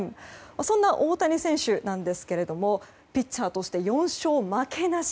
そんな大谷選手ですがピッチャーとして４勝負けなし。